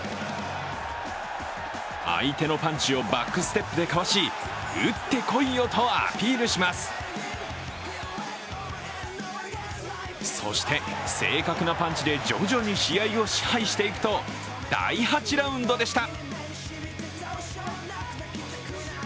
相手のパンチをバックステップでかわしそして、正確なパンチで徐々に試合を支配していくと第８ラウンドでした。